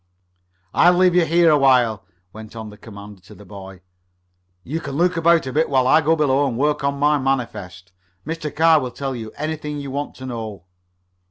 "I'll leave you here a while," went on the commander to the boy. "You can look about a bit while I go below and work on my manifest. Mr. Carr will tell you anything you want to know."